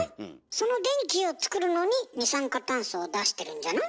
その電気を作るのに二酸化炭素を出してるんじゃない？